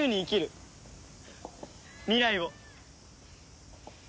未来を。